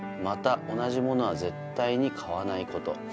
「又同じものは絶対に買わないコト！」